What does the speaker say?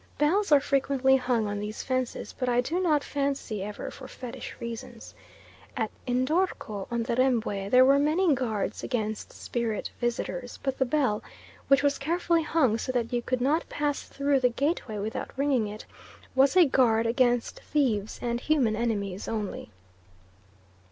Bells are frequently hung on these fences, but I do not fancy ever for fetish reasons. At Ndorko, on the Rembwe, there were many guards against spirit visitors, but the bell, which was carefully hung so that you could not pass through the gateway without ringing it, was a guard against thieves and human enemies only.